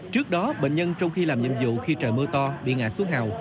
trước đó bệnh nhân trong khi làm nhiệm vụ khi trời mưa to bị ngã xuống hào